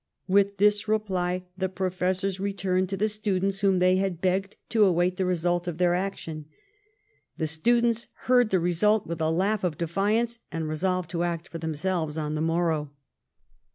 With this rej)ly the Professors returned to the 188 LIFE OF PBINCE METTEBNICR. students, whom they had begged to await the result of their action. The students heard the result with a laugh of defiance, and resolved to act for themselves on the morrow.